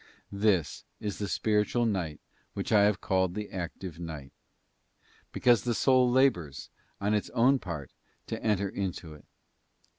This is the spiritual night which I have called the active night; because the soul labours, on its own part, to enter into it.